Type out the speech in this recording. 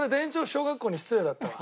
小学校に失礼だったわ。